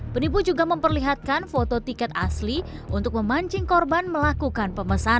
penipu juga memperlihatkan foto tiket asli untuk memancing korban melakukan pemesanan